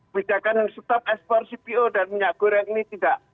bidangkan setiap s empat cpo dan minyak goreng ini tidak